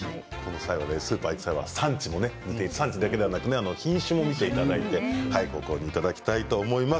スーパーに行ったら産地だけではなく品種も見ていただいてご購入いただきたいと思います。